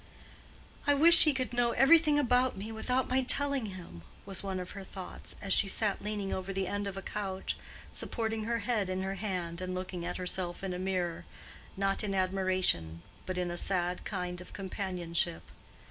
"I wish he could know everything about me without my telling him," was one of her thoughts, as she sat leaning over the end of a couch, supporting her head with her hand, and looking at herself in a mirror—not in admiration, but in a sad kind of companionship.